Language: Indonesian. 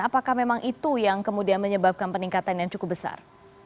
apakah itu yang menyebabkan peningkatan yang cukup besar